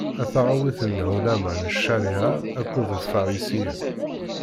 A tawaɣit n Lɛulama n ccariɛa akked Ifarisiyen.